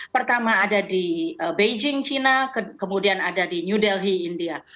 pertama ada di beijing cina kemudian ada di new delhi india